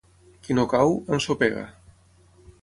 Qui no cau, ensopega.